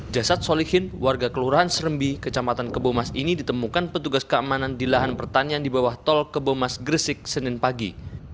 jasad solihin warga kelurahan serembi kecamatan kebomas ini ditemukan petugas keamanan di lahan pertanian di bawah tol kebomas gresik senin pagi